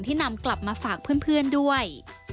นำกลับมาฝากเพื่อนด้วย